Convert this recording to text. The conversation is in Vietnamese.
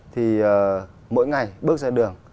thì mỗi ngày bước ra đường